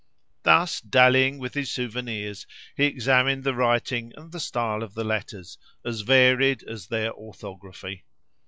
Thus dallying with his souvenirs, he examined the writing and the style of the letters, as varied as their orthography.